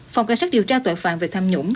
phòng cảnh sát điều tra tội phạm về tham nhũng